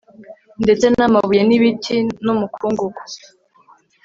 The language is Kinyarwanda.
Ndetse n amabuye n ibiti n umukungugu